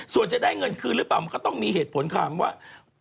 ส่วนจะได้เงินคืนหรือเปล่ามันก็ต้องมีเหตุผลคำว่า